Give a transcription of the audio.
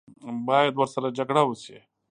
باید ورسره جګړه وشي.